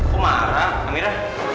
kok marah amira